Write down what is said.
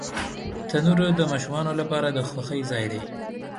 تنور د ماشومانو لپاره د خوښۍ ځای دی